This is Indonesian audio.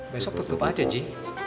besok tutup aja ji